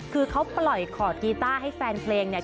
คือเขาปล่อยขอดกีต้าให้แฟนเพลงเนี่ย